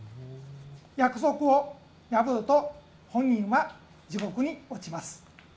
約束を破ると本人は地獄に落ちます。